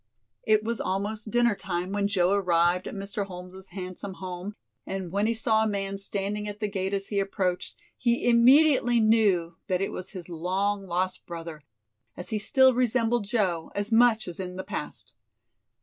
It was almost dinner time when Joe arrived at Mr. Holmes' handsome home, and when he saw a man standing at the gate as he approached, he immediately knew that it was his long lost brother, as he still resembled Joe, as much as in the past.